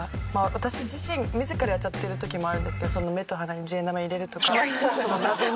私自身自らやっちゃってる時もあるんですけど目と鼻に十円玉入れるとか。